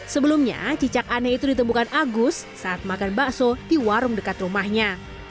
sebelumnya cicak aneh itu ditemukan agus saat makan bakso di warung dekat rumahnya